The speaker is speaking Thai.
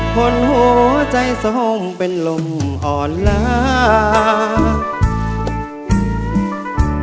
คนหัวใจส่งเป็นลมอ่อนลาก